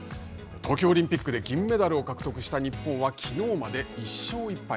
東京オリンピックで銀メダルを獲得した日本はきのうまで１勝１敗。